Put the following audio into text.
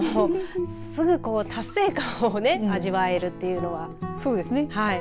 すぐ達成感を味わえるというのはそうですね。